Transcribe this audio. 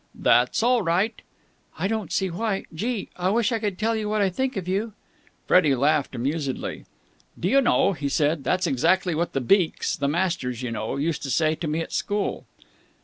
"That's all right." "I don't see why.... Gee! I wish I could tell you what I think of you!" Freddie laughed amusedly. "Do you know," he said, "that's exactly what the beaks the masters, you know used to say to me at school."